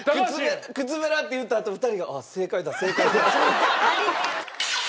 靴ベラって言ったあと２人が正解だ正解だって。